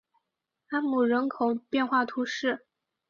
埃姆人口变化图示